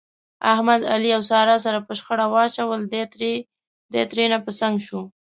احمد، علي او ساره سره په شخړه واچول، دی ترېنه په څنګ شو.